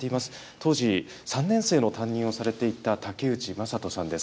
当時、３年生の担任をされていた武内雅人さんです。